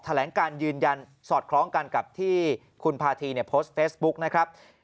แหลงการยืนยันสอดคล้องกันกับที่คุณพาธีเนี่ยโพสต์เฟซบุ๊กนะครับ